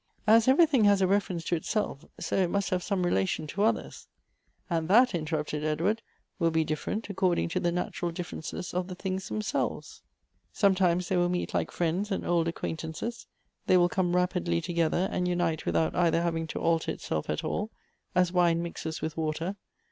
As everything has a reference to itself, so it must have some relation to others." "And that," interrupted Edward, "will be different according to the natural differences of the things them selves. Sometimes they will meet like friends and old Elective Affinities. 39 .acquaintances; they will come rapidly together, and unite without either having to alter itself at all — as wine mixes with water.